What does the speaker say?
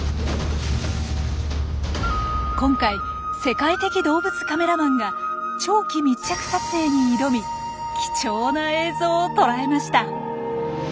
今回世界的動物カメラマンが長期密着撮影に挑み貴重な映像を捉えました。